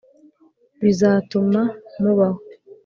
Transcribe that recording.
bizatuma mubaho.